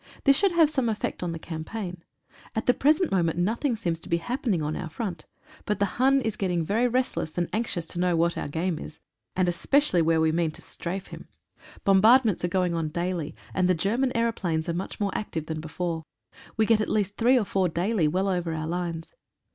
This should have some effect on the cam paign. At the present moment nothing seems to be happening on our front. But the Hun is getting very restless and anxious to know what our game is, and 113 CHEERING A BRAVE ENEMY. especially where we mean to strafe him. Bombard ments are going on daily, and the German aeroplanes are much more active than before. We get at least three or four daily, well over our lines.